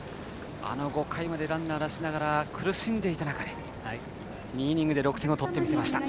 ５回までランナー出しながら苦しんでいた中で２イニングで６点を取ってみせました。